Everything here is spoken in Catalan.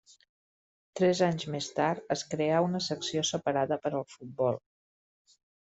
Tres anys més tard es creà una secció separada per al futbol.